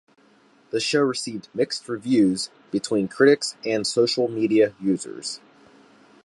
The show received mixed reviews between critics and social media users.